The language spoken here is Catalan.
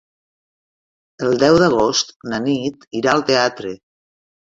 El deu d'agost na Nit irà al teatre.